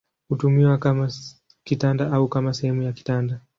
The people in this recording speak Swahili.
Hutumiwa kama kitanda au kama sehemu ya kitanda.